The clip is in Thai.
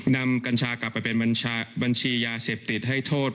กัญชากลับไปเป็นบัญชียาเสพติดให้โทษ